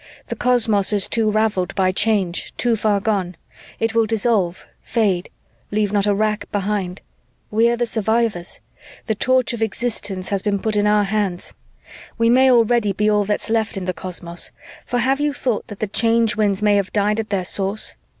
The cosmos is too raveled by change, too far gone. It will dissolve, fade, 'leave not a rack behind.' We're the survivors. The torch of existence has been put in our hands. "We may already be all that's left in the cosmos, for have you thought that the Change Winds may have died at their source?